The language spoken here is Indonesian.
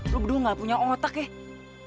lo berdua gak punya otak ya